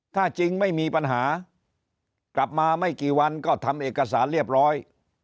ถ้าจริงไม่มีปัญหากลับมาไม่กี่วันก็ทำเอกสารเรียบร้อย